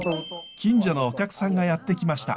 近所のお客さんがやって来ました。